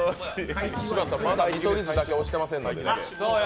柴田さん、まだ見取り図だけ押していませんので。